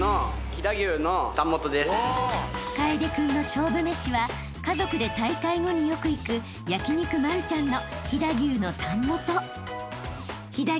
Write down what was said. ［楓君の勝負めしは家族で大会後によく行く焼肉マルちゃんの］